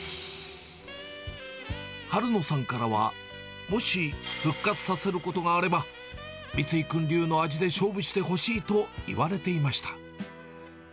春野さんからは、もし復活させることがあれば、三井君流の味で勝負してほしいと言われていました。